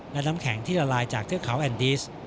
และน้ำแข็งที่ละลายจากเทือกเขาแอนดิส